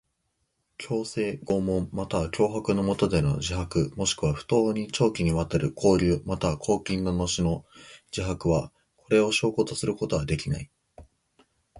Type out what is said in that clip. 強制、拷問または脅迫のもとでの自白もしくは不当に長期にわたる抑留または拘禁の後の自白は、これを証拠とすることはできない。